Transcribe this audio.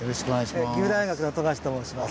岐阜大学の富樫と申します。